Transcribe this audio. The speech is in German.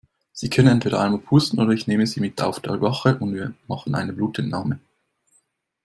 Sie können entweder einmal pusten oder ich nehme Sie mit auf die Wache und wir machen eine Blutentnahme.